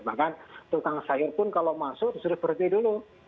bahkan tukang sayur pun kalau masuk sudah berhenti dulu